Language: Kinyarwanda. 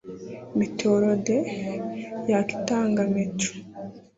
Meteoroide yaka itanga meteor